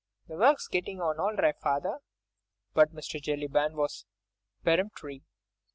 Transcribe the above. "The work's gettin' on all ri', father." But Mr. Jellyband was peremptory.